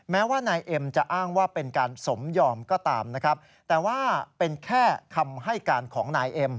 แม้ว่านายเอ็มจะอ้างว่าเป็นการสมยอมก็ตามนะครับแต่ว่าเป็นแค่คำให้การของนายเอ็ม